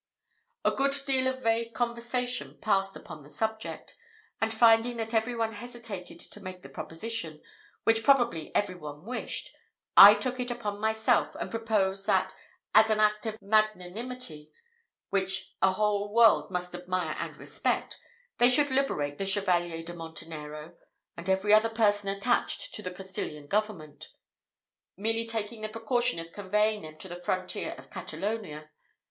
A good deal of vague conversation passed upon the subject, and finding that every one hesitated to make the proposition, which probably every one wished, I took it upon myself, and proposed, that, as an act of magnanimity, which a whole world must admire and respect, they should liberate the Chevalier de Montenero, and every other person attached to the Castilian government; merely taking the precaution of conveying them to the frontier of Catalonia.